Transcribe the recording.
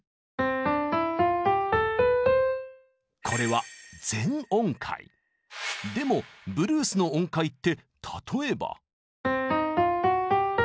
これはでもブルースの音階って例えば。